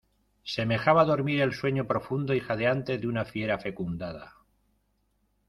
semejaba dormir el sueño profundo y jadeante de una fiera fecundada.